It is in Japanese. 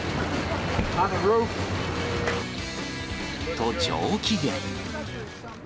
と、上機嫌。